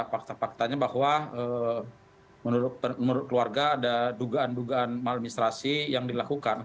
fakta faktanya bahwa menurut keluarga ada dugaan dugaan maladministrasi yang dilakukan